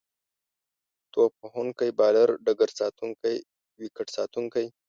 توپ وهونکی، بالر، ډګرساتونکی، ويکټ ساتونکی